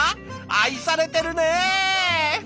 愛されてるね！